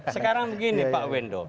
sekarang begini pak wendo